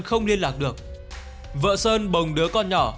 không liên lạc được vợ sơn bồng đứa con nhỏ